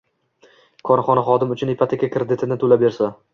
Korxona xodim uchun ipoteka kreditini to‘lab bersa